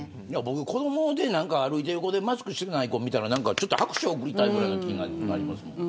子どもで歩いてる子でマスクしてない子を見たらちょっと拍手を送りたいぐらいの気になりますもん。